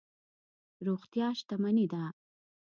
روغتیا شتمني ده.